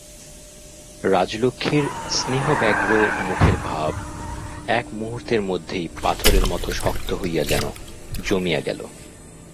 রাজলক্ষ্মীর স্নেহব্যগ্র মুখের ভাব এক মুহূর্তের মধ্যেই পাথরের মতো শক্ত হইয়া যেন জমিয়া গেল।